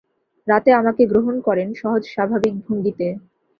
রাতে আমাকে গ্রহণ করেন সহজ স্বাভাবিক ভঙ্গিতে।